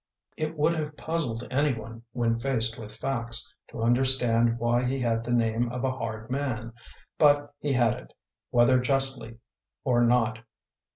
It would have puzzled any one when faced with facts to understand why he had the name of a hard man, but he had it, whether justly or not.